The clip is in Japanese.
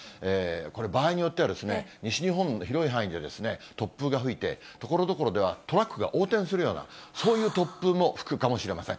これ、場合によってはですね、西日本の広い範囲で突風が吹いて、ところどころではトラックが横転するような、そういう突風も吹くかもしれません。